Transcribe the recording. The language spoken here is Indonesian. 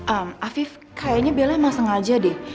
am alfif kayaknya bella emang sengaja deh